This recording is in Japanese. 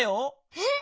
えっ！